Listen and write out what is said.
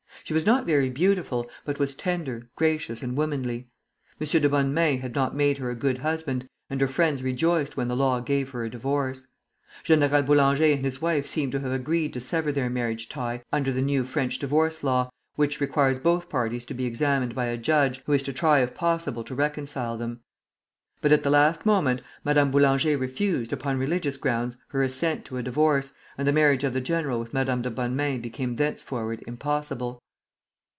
She was not very beautiful, but was tender, gracious, and womanly. M. de Bonnemains had not made her a good husband, and her friends rejoiced when the law gave her a divorce. General Boulanger and his wife seem to have agreed to sever their marriage tie under the new French divorce law, which requires both parties to be examined by a judge, who is to try if possible to reconcile them; but at the last moment Madame Boulanger refused, upon religious grounds, her assent to a divorce, and the marriage of the general with Madame de Bonnemains became thenceforward impossible.